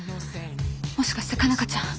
もしかして佳奈花ちゃん。